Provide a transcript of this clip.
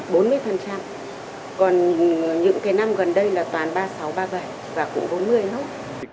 còn những cái năm gần đây là toàn ba mươi sáu ba mươi bảy và cũng bốn mươi lắm